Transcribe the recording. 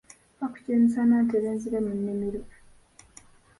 Mpa ku kyemisana ntere nzire mu nnimiro.